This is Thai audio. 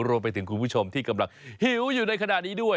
รวมไปถึงคุณผู้ชมที่กำลังหิวอยู่ในขณะนี้ด้วย